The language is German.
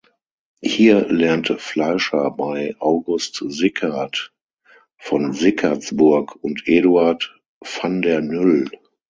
Hier lernte Fleischer bei August Sicard von Sicardsburg und Eduard van der Nüll.